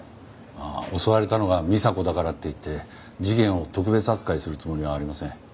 襲われたのが美沙子だからっていって事件を特別扱いするつもりはありません。